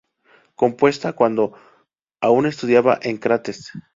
Compuesta cuando aún estudiaba con Crates.